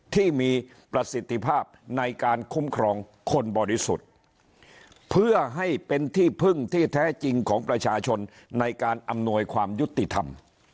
ที่มีประสิทธิภาพในการคุ้มครองคนบริสุทธิ์เพื่อให้เป็นที่พึ่งที่แท้จริงของประชาชนในการอำนวยความยุติธรรม